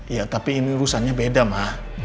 ya tapi ini urusannya beda mah